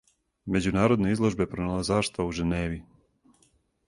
Мађународне изложбе проналазаштва у Женеви.